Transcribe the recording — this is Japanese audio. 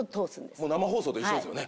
もう生放送と一緒ですよね。